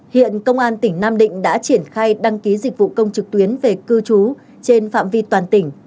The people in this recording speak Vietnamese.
hiện công an tỉnh nam định đã triển khai đăng ký dịch vụ công trực tuyến về cư trú trên phạm vi toàn tỉnh